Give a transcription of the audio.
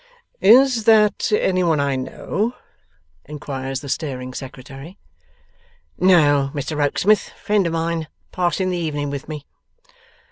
'Is that any one I know?' inquires the staring Secretary. 'No, Mr Rokesmith. Friend of mine. Passing the evening with me.